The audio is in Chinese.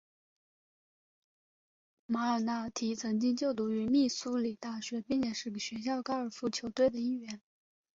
马尔纳提曾经就读于密苏里大学并且是学校高尔夫球队的一员。